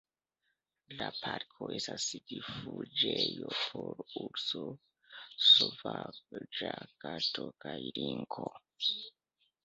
La parko estas rifuĝejo por urso, sovaĝa kato kaj linko.